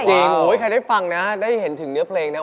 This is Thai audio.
ใครได้ฟังนะได้เห็นถึงเนื้อเพลงนะ